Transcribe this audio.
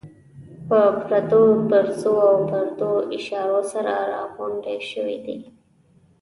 په پردو پرزو او پردو اشارو سره راغونډې شوې دي.